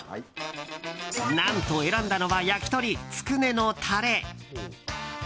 なんと選んだのは焼き鳥つくねのタレ。